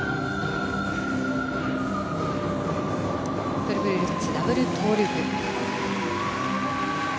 トリプルルッツダブルトウループ。